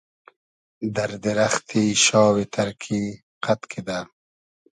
دئر دیرئختی شاوی تئرکی قئد کیدۂ